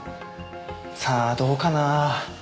さあどうかな。